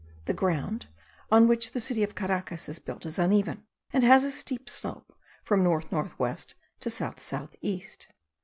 The ground on which the city of Caracas is built is uneven, and has a steep slope from north north west to south south east.